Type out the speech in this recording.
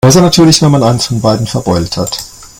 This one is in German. Außer natürlich, wenn man eins von beiden verbeult hat.